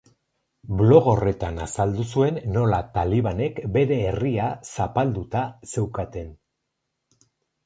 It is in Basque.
Blog horretan azaldu zuen nola talibanek bere herria zapalduta zeukaten.